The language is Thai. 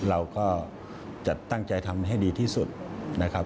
เราก็จะตั้งใจทำให้ดีที่สุดนะครับ